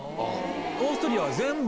オーストリアは全部？